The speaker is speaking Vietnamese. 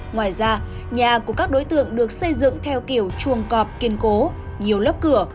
ngoài ra nhà của các đối tượng được xây dựng theo kiểu chuồng cọp kiên cố nhiều lớp cửa